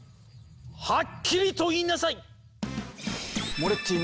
はっきりと言いなさい！